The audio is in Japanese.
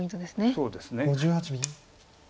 そうですね。